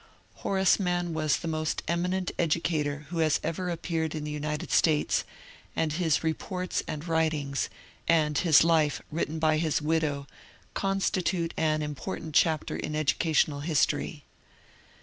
Horace Mann was the most eminent educator who has ever appeared in the United States, and his reports and writings, and his life written by his widow, constitute an important chapter in educational history.